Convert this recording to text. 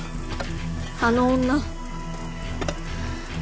あの女。